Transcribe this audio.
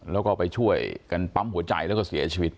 แล้วก็ไปช่วยกันปั๊มหัวใจแล้วก็เสียชีวิต